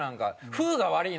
「風が悪い」！